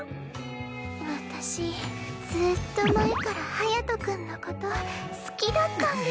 私ずっと前から隼君のこと好きだったんです。